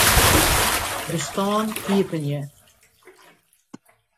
Bestân iepenje.